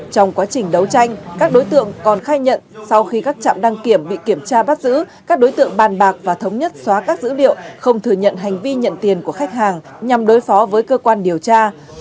trong quá trình đấu tranh các đối tượng còn khai nhận sau khi các trạm đăng kiểm bị kiểm tra bắt giữ các đối tượng bàn bạc và thống nhất xóa các dữ liệu không thừa nhận hành vi nhận tiền của khách hàng nhằm đối phó với cơ quan điều tra